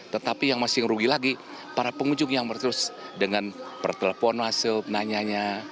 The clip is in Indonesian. tetapi yang masih ngerugi lagi para pengunjung yang bertelus dengan perteleponan penanyanya